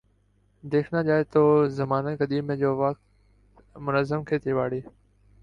دیکھنا جائے تو زمانہ قدیم جو وقت منظم کھیتی باڑی